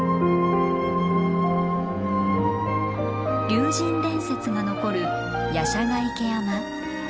竜神伝説が残る夜叉ヶ池山。